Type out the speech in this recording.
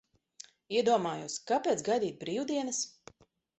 Iedomājos, kāpēc gaidīt brīvdienas?